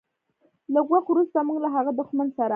لږ وخت وروسته موږ له هغه دښمن سره.